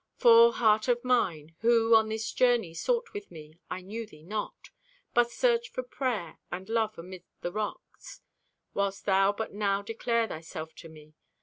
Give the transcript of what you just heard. For, heart of mine, who on this journey Sought with me, I knew thee not, But searched for prayer and love amid the rocks Whilst thou but now declare thyself to me.